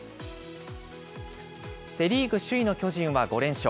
セ・リーグ首位の巨人は５連勝。